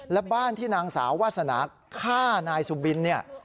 และบ้านที่นางสาววาสนาฆ่านายสุบินเนี่ย